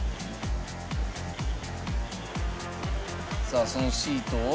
さあそのシートを。